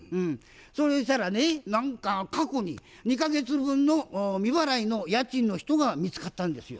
そしたらね何か過去に２か月分の未払いの家賃の人が見つかったんですよ。